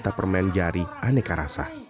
serta permen jari aneka rasa